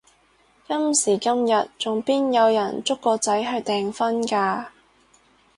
今時今日仲邊有人捉個仔去訂婚㗎？